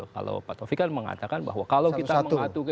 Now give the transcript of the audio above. kalau pak taufik kan mengatakan bahwa kalau kita mengadu